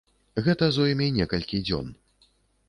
Гэта зойме некалькі дзён.